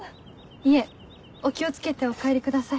いえお気を付けてお帰りください。